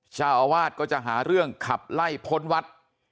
เจ้าอาวาสก็จะหาเรื่องขับไล่พ้นวัด